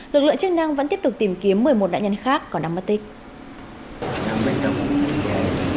lực lượng chức năng vẫn tiếp tục tìm kiếm một mươi một nạn nhân khác có năm mất tích